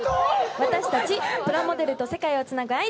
私たち、プラモデルと世界をつなぐアイ